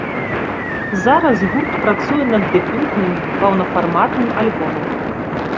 Зараз гурт працуе над дэбютным паўнафарматным альбомам.